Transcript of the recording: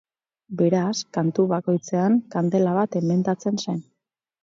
Beraz, kantu bakoitzean kandela bat emendatzen zen.